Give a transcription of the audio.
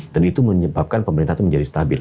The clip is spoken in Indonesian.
dan itu menyebabkan pemerintah itu menjadi stabil